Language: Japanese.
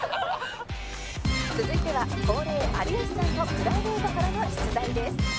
続いては恒例有吉さんのプライベートからの出題です